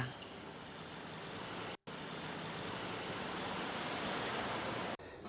pembangunan infrastruktur dasar